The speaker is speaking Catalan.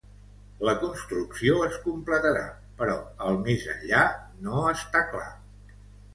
La construcció es completarà, però el més enllà no està clar.